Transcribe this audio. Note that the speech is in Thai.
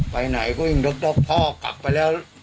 ไปไหนก็ยิ่งดกพ่อกลับไปแล้ว